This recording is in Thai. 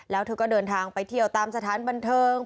แล้วเธอก็เดินทางไปเที่ยวตามสถานบันเทิง